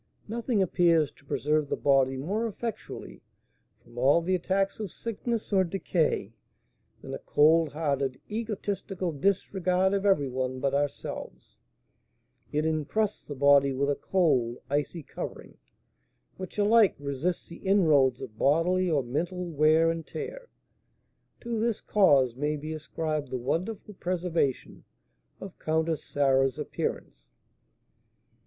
Nothing appears to preserve the body more effectually from all the attacks of sickness or decay than a cold hearted, egotistical disregard of every one but ourselves; it encrusts the body with a cold, icy covering, which alike resists the inroads of bodily or mental wear and tear. To this cause may be ascribed the wonderful preservation of Countess Sarah's appearance.